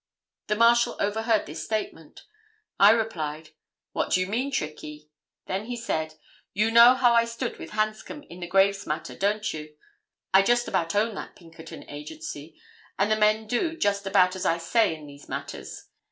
The Marshal overhead this statement. I replied, 'What do you mean, Trickey?' Then he said, 'You know how I stood with Hanscom in the Graves matter, don't you? I just about own that Pinkerton Agency, and the men do just about as I say in these matters.